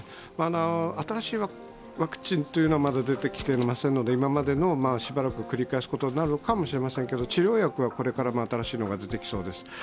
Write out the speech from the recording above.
新しいワクチンというのは、まだ出てきていませんので今までのをしばらく繰り返すことになるかもしれませんが治療薬はこれから新しいのが出てきそうです。